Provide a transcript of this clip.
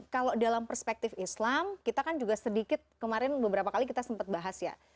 kalau dalam perspektif islam kita kan juga sedikit kemarin beberapa kali kita sempat bahas ya